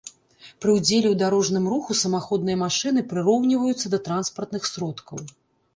Пры ўдзеле ў дарожным руху самаходныя машыны прыроўніваюцца да транспартных сродкаў